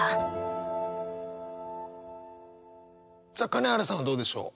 金原さんはどうでしょう？